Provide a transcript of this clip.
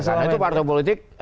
karena itu partai politik